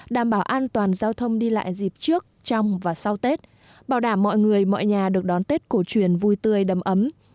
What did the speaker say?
không đi lại dịp trước trong và sau tết bảo đảm mọi người mọi nhà được đón tết cổ truyền vui tươi đầm ấm